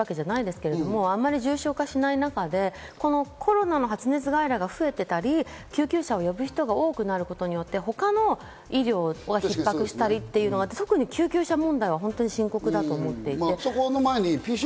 さらに私は今のＢＡ．５のコロナを軽視するわけじゃないですけど、あんまり重症化しない中でコロナの発熱外来が増えてたり、救急車を呼ぶ人が多くなることによって、他の医療がひっ迫したりすることがあって、特に救急車問題は深刻だと思っていて。